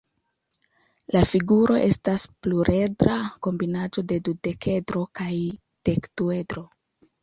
La figuro estas pluredra kombinaĵo de dudekedro kaj dekduedro.